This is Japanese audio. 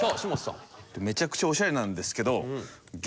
めちゃくちゃオシャレなんですけど。